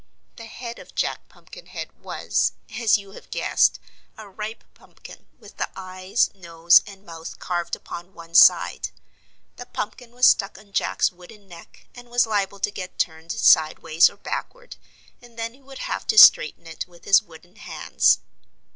The head of Jack Pumpkinhead was, as you have guessed, a ripe pumpkin, with the eyes, nose and mouth carved upon one side. The pumpkin was stuck on Jack's wooden neck and was liable to get turned sidewise or backward and then he would have to straighten it with his wooden hands.